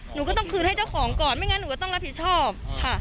หนูก็ต้องคืนให้เจ้าของก่อนไม่งั้นหนูก็ต้องรับผิดชอบค่ะ